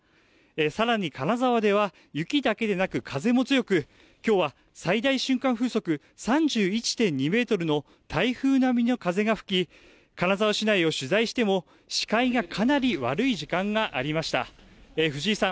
さらに金沢では、雪だけでなく風も強く、きょうは最大瞬間風速３１．２メートルの台風並みの風が吹き、金沢市内を取材しても、視界がかなり悪い時間がありました。